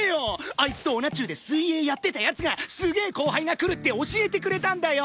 あいつと同中で水泳やってた奴がすげえ後輩が来るって教えてくれたんだよ！